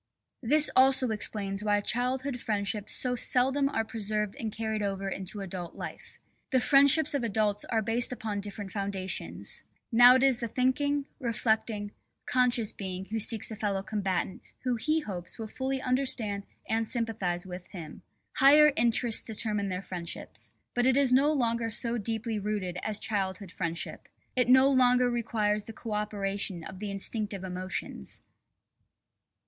This also explains why childhood friendships so seldom are preserved and carried over into adult life. The friendships of adults are based upon different foundations. Now it is the thinking, reflecting, conscious being who seeks a fellow combatant who he hopes will fully understand (and sympathise with) him. Higher interests determine their friendships. But it is no longer so deeply rooted as childhood friendship. It no longer requires the co operation of the instinctive emotions.